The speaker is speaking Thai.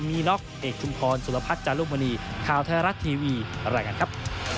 มีน็อกเอกชุมพรสุรพัฒน์จารุมณีข่าวไทยรัฐทีวีรายงานครับ